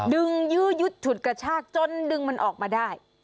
ยื้อยุดฉุดกระชากจนดึงมันออกมาได้